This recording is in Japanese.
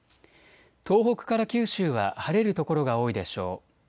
東北から九州は晴れる所が多いでしょう。